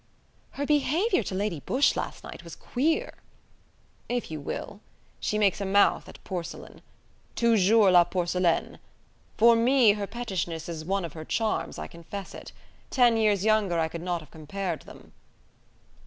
"Her behaviour to Lady Busshe last night was queer." "If you will. She makes a mouth at porcelain. Toujours la porcelaine! For me, her pettishness is one of her charms, I confess it. Ten years younger, I could not have compared them."